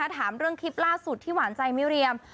ถามเรื่องคลิปล่าสุดที่หวานใจไม่เรียม